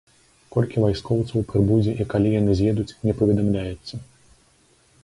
Колькі вайскоўцаў прыбудзе і калі яны з'едуць, не паведамляецца.